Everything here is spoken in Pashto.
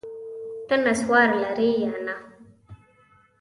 ته نسوار لرې یا نه؟